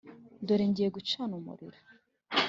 dore ngiye gucana umuriro.